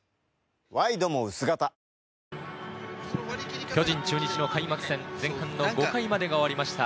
ワイドも薄型巨人・中日の開幕戦、前半戦の５回まで終わりました。